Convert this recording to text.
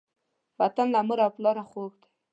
وطن له مور او پلاره خوږ دی.